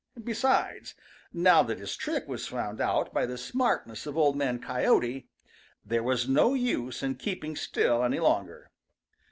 Besides, now that his trick was found out by the smartness of Old Man Coyote, there was no use in keeping still any longer.